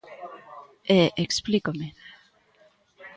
E explícome.